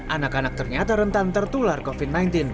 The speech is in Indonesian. anak anak ternyata rentan tertular covid sembilan belas